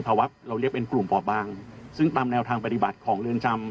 วัดเราเรียกเป็นกลุ่มป่อบางซึ่งตามแนวทางปฏิบัติของเรือนจำ